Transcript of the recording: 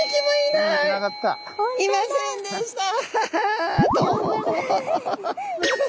いませんでした。